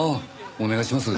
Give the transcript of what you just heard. お願いします。